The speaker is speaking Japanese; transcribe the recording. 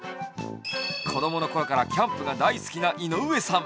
子どものころからキャンプが大好きな井上さん。